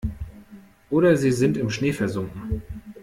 Oder sie sind im Schnee versunken.